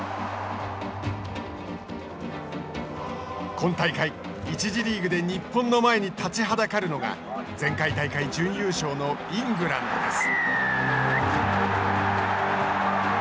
今大会、１次リーグで日本の前に立ちはだかるのが前回大会準優勝のイングランドです。